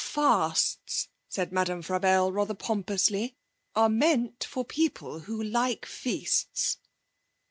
'Fasts,' said Madame Frabelle rather pompously, 'are meant for people who like feasts.'